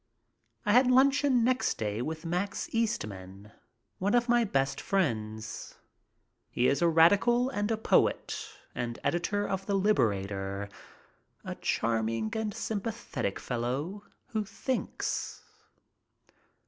I had luncheon next day with Max Eastman, one of my best friends. He is a radical and a poet and editor of The Liberator, a charming and sympathetic fellow who thinks.